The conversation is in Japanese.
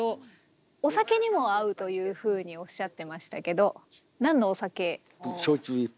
お酒にも合うというふうにおっしゃってましたけど何のお酒？